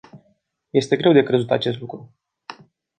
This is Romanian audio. Este greu de crezut acest lucru.